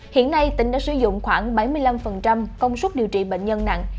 hiện nay tỉnh đã sử dụng khoảng bảy mươi năm công suất điều trị bệnh nhân nặng